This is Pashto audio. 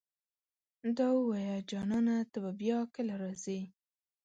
دا اووايه جانانه ته به بيا کله راځې